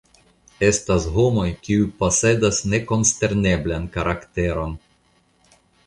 Estas homoj, kiuj posedas nekonsterneblan karakteron.